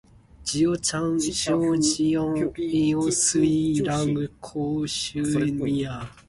日頭赤焱焱，隨人顧性命